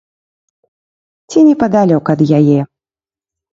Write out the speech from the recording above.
Ці непадалёк ад яе.